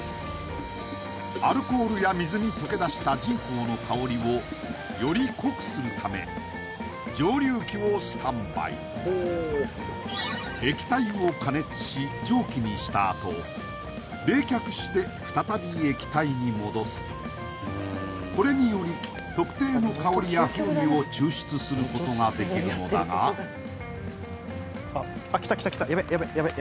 アルコールや水に溶け出した沈香の香りをより濃くするため蒸留器をスタンバイ液体を加熱し蒸気にしたあと冷却して再び液体に戻すこれにより特定の香りや風味を抽出することができるのだがヤベっヤベっヤベっ